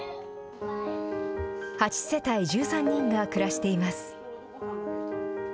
８世帯１３人が暮らしています。